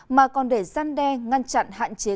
mà còn để gian đe ngăn chặn hạn chế